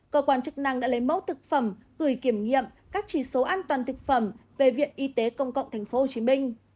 cơ quan chức năng đã lấy mẫu thực phẩm gửi kiểm nghiệm các chỉ số an toàn thực phẩm về viện y tế công cộng tp hcm